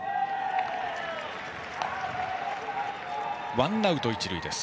ワンアウト一塁です。